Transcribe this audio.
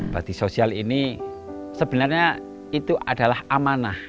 bati sosial ini sebenarnya itu adalah amanah